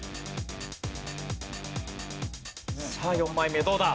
さあ４枚目どうだ？